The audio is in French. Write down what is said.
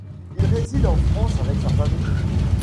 Il réside en France avec sa famille.